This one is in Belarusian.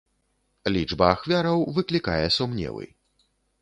Лічба ахвяраў выклікае сумневы.